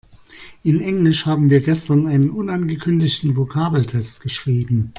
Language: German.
In Englisch haben wir gestern einen unangekündigten Vokabeltest geschrieben.